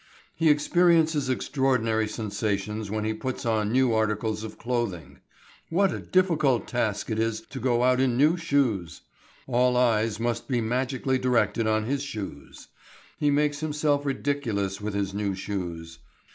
He experiences extraordinary sensations when he puts on new articles of clothing. What a difficult task it is to go out in new shoes! All eyes must be magically directed on his shoes. He makes himself ridiculous with his new shoes.